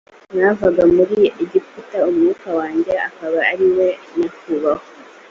mwavaga muri egiputa umwuka wanjye akaba ari we nyakubahwa